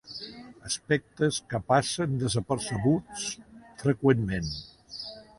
Aspectes que passen desapercebuts freqüentment.